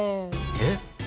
えっ！？